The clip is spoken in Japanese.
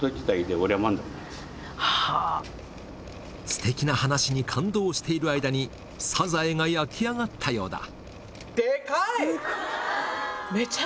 すてきな話に感動している間にサザエが焼き上がったようだ。